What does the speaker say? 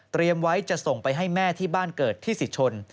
ไว้จะส่งไปให้แม่ที่บ้านเกิดที่สิทธน